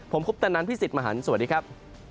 ผมคุปตะนันพี่สิทธิ์มหันฯสวัสดีครับ